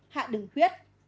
hạ đường khuyết